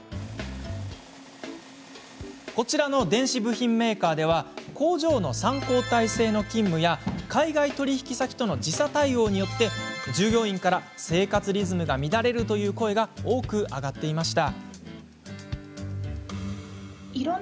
こちらの電子部品メーカーでは工場の３交代制の勤務や海外取引先との時差対応によって従業員から生活リズムが乱れるという声が多く上がっていました。